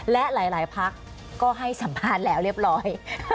และหลายพักก็ให้สัมภาษณ์แล้วเรียบร้อย